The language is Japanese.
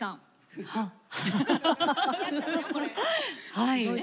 はい。